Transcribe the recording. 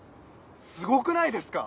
すごくないですか？